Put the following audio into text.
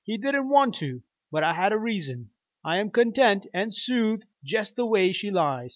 He didn't want to, but I had a reason. I'm content an' soothe jest the way she lies.